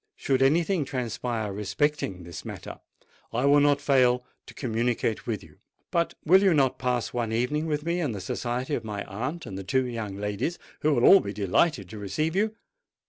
Should anything transpire respecting this matter, I will not fail to communicate with you. But will you not pass one evening with me in the society of my aunt and the two young ladies, who will all be delighted to receive you?